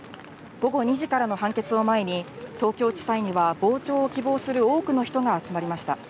午後２時からの判決を前に東京地裁には傍聴を希望する多くの人が集まりました。